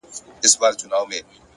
o پر وظیفه عسکر ولاړ دی تلاوت کوي ـ